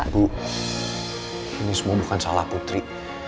bu ini semua bukan salah putri